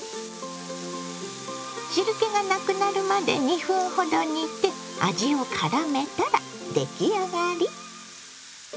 汁けがなくなるまで２分ほど煮て味をからめたら出来上がり。